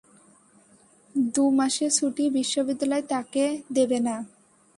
দু মাসের ছুটি বিশ্ববিদ্যালয় তাঁকে দেবে না।